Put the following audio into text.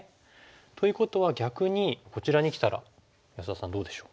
ということは逆にこちらにきたら安田さんどうでしょう？